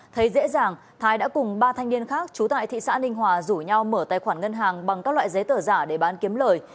thấy dễ dàng thái đã cùng ba thanh niên khác trú tại thị xã ninh hòa rủ nhau mở tài khoản ngân hàng bằng các loại giấy tờ giả để bán kiếm lời